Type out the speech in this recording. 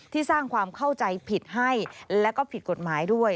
สร้างความเข้าใจผิดให้และก็ผิดกฎหมายด้วย